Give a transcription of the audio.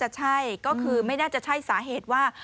ใช่ก็คือไม่น่าจะใช่สาเหตุว่า